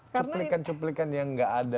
cuplikan cuplikan yang gak ada